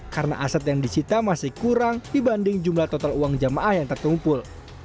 karena aset yang disita masih kurang dibanding jumlah total uang jamaah yang tertumpul